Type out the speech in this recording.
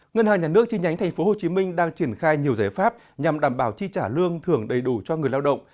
ngân hàng nhà nước chi nhánh tp hcm đang triển khai nhiều giải pháp nhằm đảm bảo chi trả lương thưởng đầy đủ cho người lao động